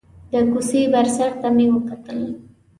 د کوڅې بر سر ته مې وکتل.